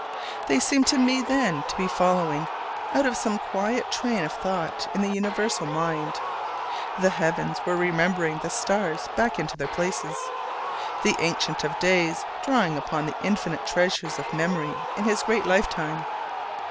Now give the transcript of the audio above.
They seemed to me then to be following out some quiet train of thought in the universal mind: the heavens were remembering the stars back into their places: the Ancient of Days drawing upon the infinite treasures of memory in his great lifetime.